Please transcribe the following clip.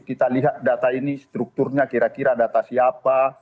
kita lihat data ini strukturnya kira kira data siapa